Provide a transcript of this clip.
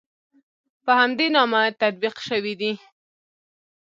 په همدې نامه تطبیق شوي دي.